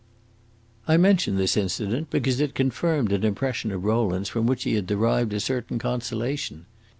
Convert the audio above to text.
I mention this incident because it confirmed an impression of Rowland's from which he had derived a certain consolation.